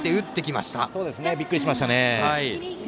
びっくりしましたね。